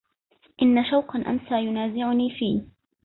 إن شوقا أمسى ينازعني في